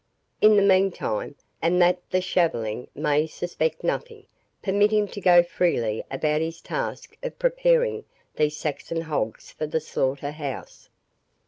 In the meantime, and that the shaveling may suspect nothing, permit him to go freely about his task of preparing these Saxon hogs for the slaughter house."